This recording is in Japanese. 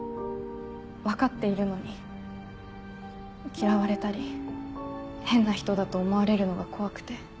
分かっているのに嫌われたり変な人だと思われるのが怖くて。